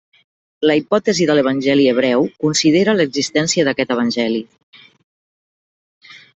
La Hipòtesi de l'Evangeli hebreu considera l'existència d'aquest evangeli.